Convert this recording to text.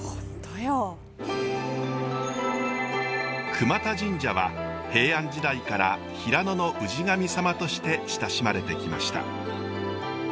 杭全神社は平安時代から平野の氏神様として親しまれてきました。